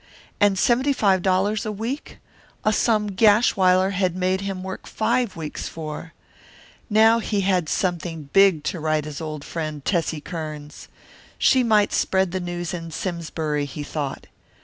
And seventy five dollars a week! A sum Gashwiler had made him work five weeks for. Now he had something big to write to his old friend, Tessie Kearns. She might spread the news in Simsbury, he thought.